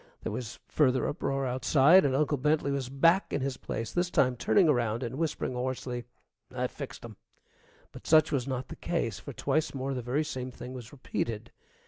There was further uproar outside, and Uncle Bentley was back in his place, this time turning around and whispering hoarsely, "I fixed 'em!" But such was not the case, for twice more the very same thing was repeated.